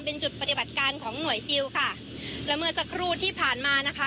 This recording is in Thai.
เป็นจุดปฏิบัติการของหน่วยซิลค่ะและเมื่อสักครู่ที่ผ่านมานะคะ